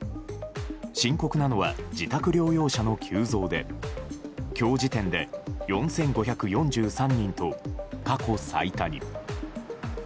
深刻なのは自宅療養者の急増で今日時点で４５４３人と過去最多に。